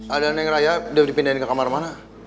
ada yang raya sudah dipindahin ke kamar mana